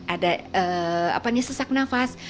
ada sesak nafas